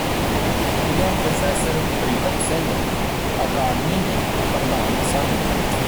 ਉਦੋਂ pro Pritam Singh academy ਦੇ ਪ੍ਰਧਾਨ ਸਨ